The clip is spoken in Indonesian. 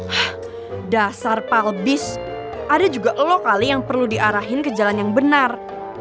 hah dasar palbis ada juga lo kali yang perlu diarahin ke jalan yang benar